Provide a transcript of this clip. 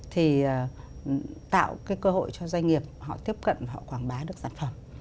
thì tạo cái cơ hội cho doanh nghiệp họ tiếp cận và họ quảng bá được sản phẩm